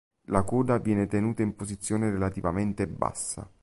La coda viene tenuta in posizione relativamente bassa.